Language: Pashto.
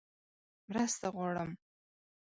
_مرسته غواړم!